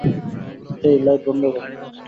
হেই, light বন্ধ কর।